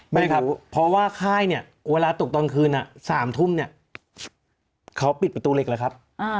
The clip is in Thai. ไม่ครับเพราะว่าค่ายเนี่ยเวลาตกตอนคืน๓ทุ่มเนี่ยเขาปิดประตูเหล็กเลยครับ